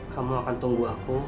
kamu akan tunggu aku